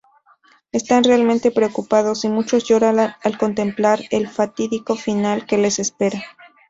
Están realmente preocupados, y muchos lloran al contemplar el fatídico final que les espera.